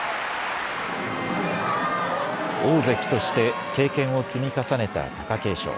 大関として経験を積み重ねた貴景勝。